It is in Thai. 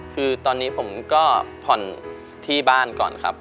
คือตอนนี้ผมก็ผ่อนที่บ้านก่อนครับ